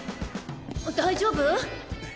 大丈夫？